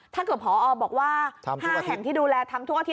ถ้าเกิดพอบอกว่า๕แห่งที่ดูแลทำทุกอาทิต